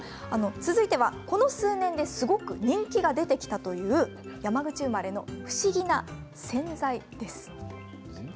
続いてはこの数年ですごく人気が出てきたという山口生まれの不思議な洗剤です。